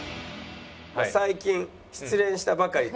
最近失恋したばかりと。